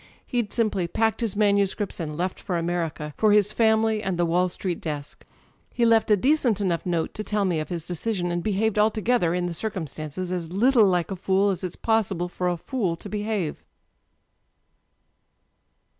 He'd simply packed his manuscripts and left for America â€" for his family and the Wall Street desk. He left a decent enough note to tell me of his Digitized by LjOOQ IC THE EYES decision, and behaved altogether, in the circumstances, as little like a fool as it's possible for a fool to behave